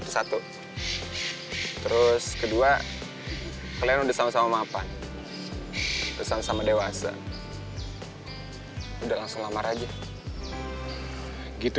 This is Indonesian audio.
satu terus kedua kalian udah sama sama mafan pesan sama dewasa udah langsung lamar aja gitu